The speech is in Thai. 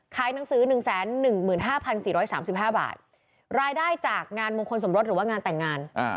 หนังสือ๑๑๕๔๓๕บาทรายได้จากงานมงคลสมรสหรือว่างานแต่งงาน